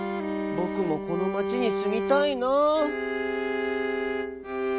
ぼくもこの町にすみたいなあ」。